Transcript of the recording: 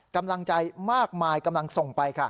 กำลังใจมากมายกำลังส่งไปค่ะ